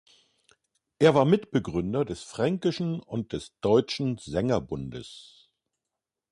Er war Mitbegründer des Fränkischen und des Deutschen Sängerbundes.